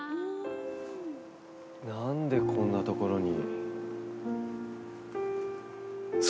何でこんなところに？